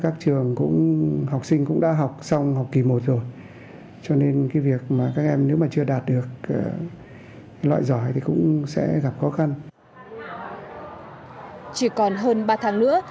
chỉ còn hơn ba tháng nữa